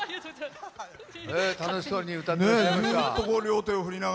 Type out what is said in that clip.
楽しそうに歌ってくれました。